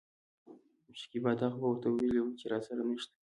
شکيبا : تا خو به ورته وويلي وو چې راسره نشته.